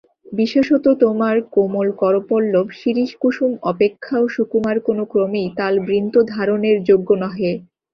বিশেষত তোমার কোমল করপল্লব শিরীষকুসুম অপেক্ষাও সুকুমার কোন ক্রমেই তালবৃন্তধারণের যোগ্য নহে।